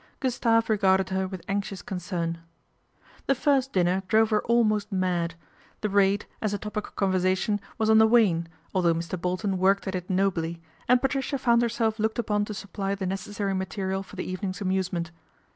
Gustave regarded her with anxious concern. The first dinner drove her almost mad. The raid, as a topic of conversation, was on the wane, although Mr. Bolton worked at it nobly, and Patricia found herself looked upon to supply the necessary material for the evening's amusement.